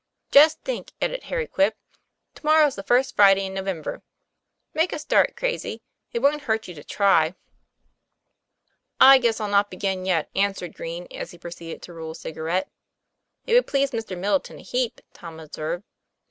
'Just think," added Harry Quip, 'to morrow's the first Friday in November. Make a start, Crazy; it wont hurt you to try." "I guess I'll not begin yet," answered Green, as he proceeded to roll a cigarette. "It would please Mr. Middleton a heap," Tom observed.